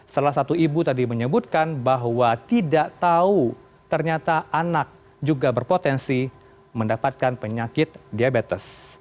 salah satu ibu tadi menyebutkan bahwa tidak tahu ternyata anak juga berpotensi mendapatkan penyakit diabetes